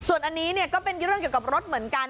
ส่วนอันนี้ก็เป็นเรื่องเกี่ยวกับรถเหมือนกัน